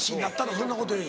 そんなことより。